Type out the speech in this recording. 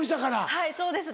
はいそうですね。